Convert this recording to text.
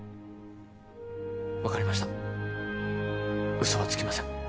わかりましたうそはつきません。